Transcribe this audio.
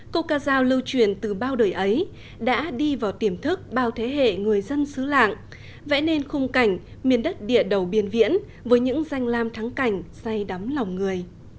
câu ca giao lưu truyền từ bao đời ấy đã đi vào tiềm thức bao thế hệ người dân xứ lạng vẽ nên khung cảnh miền đất địa đầu biên viễn với những danh lam thắng cảnh say đắm lòng người